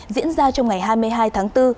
diễn ra trong ngày hai mươi hai tháng bốn